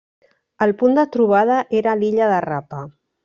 El punt de trobada era l'illa de Rapa.